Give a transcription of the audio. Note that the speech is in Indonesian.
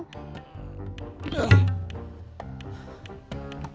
gak ada apa apa